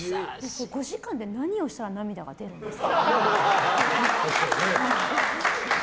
５時間で何をしたら涙が出るんですか？